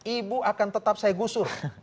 ibu akan tetap saya gusur